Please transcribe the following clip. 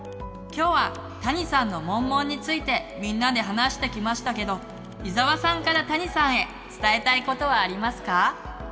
今日はたにさんのモンモンについてみんなで話してきましたけど伊沢さんからたにさんへ伝えたいことはありますか？